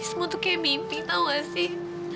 ini semua tuh kayak mimpi tahu nggak sih